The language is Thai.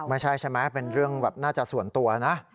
ไม่ใช่ใช่ไหมเป็นเรื่องแบบน่าจะส่วนตัวนะ